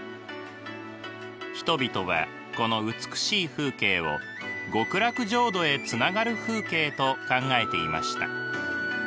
人々はこの美しい風景を極楽浄土へつながる風景と考えていました。